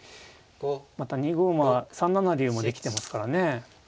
また２五馬は３七竜もできてますからね。